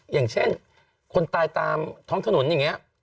อย่างเช่นคนตายตามท้องถนนอย่างนี้